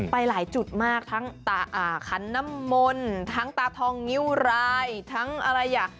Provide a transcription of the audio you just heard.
ไปหลายจุดมากทั้งขันน้ำมนต์ทั้งตาทองนิ้วรายทั้งอะไรอ่ะ